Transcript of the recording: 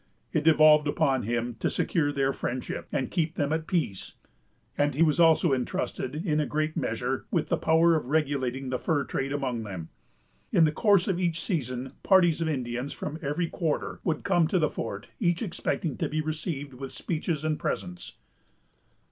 It devolved upon him to secure their friendship, and keep them at peace; and he was also intrusted, in a great measure, with the power of regulating the fur trade among them. In the course of each season, parties of Indians, from every quarter, would come to the fort, each expecting to be received with speeches and presents.